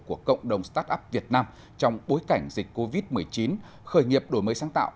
của cộng đồng start up việt nam trong bối cảnh dịch covid một mươi chín khởi nghiệp đổi mới sáng tạo